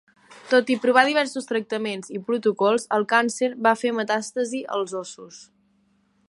Tot i provar diversos tractaments i protocols, el càncer va fer metàstasi als ossos.